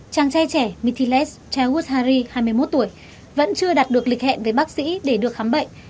chàng trai trẻ mithiles chawushari hai mươi một tuổi vẫn chưa đặt được lịch hẹn với bác sĩ để được khám bệnh